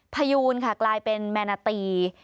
พยูนค่ะกลายเป็นแมนาตี